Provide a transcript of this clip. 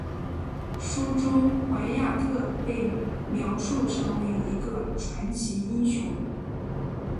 书中怀亚特被描述成为一个传奇英雄。